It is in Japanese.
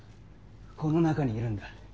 この中にいるんだ。